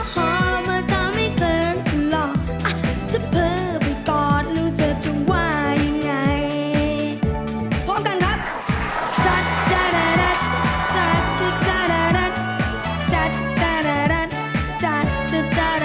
หอมว่าจะไม่เกินหรอกจะเพลิงไปกอดรู้เจอจะว่ายังไง